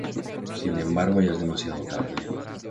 Sin embargo, ya es demasiado tarde.